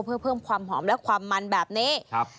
เพื่อเพิ่มความหอมและความมันแบบนี้ครับ